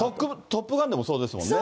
トップガンでもそうですもんね。